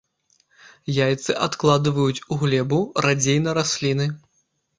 Яйцы адкладваюць у глебу, радзей на расліны.